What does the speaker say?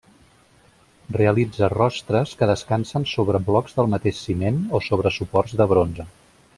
Realitza rostres que descansen sobre blocs del mateix ciment o sobre suports de bronze.